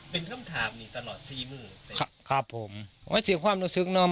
เป็นคำถามนี่ตลอดสี่มือเลยครับครับผมว่าเสียความรู้สึกเนาะ